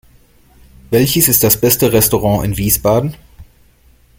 Welches ist das beste Restaurant in Wiesbaden?